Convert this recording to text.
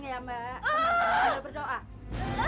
kamu masih bisa berdoa